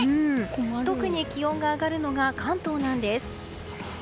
特に気温が上がるのが関東なんです。